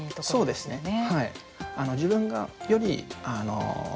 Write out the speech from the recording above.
そうですね。